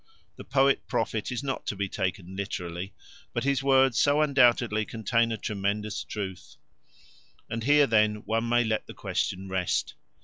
The poet prophet is not to be taken literally, but his words so undoubtedly contain a tremendous truth. And here, then, one may let the question rest.